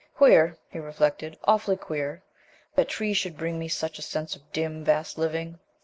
"Queer," he reflected, "awfully queer, that trees should bring me such a sense of dim, vast living!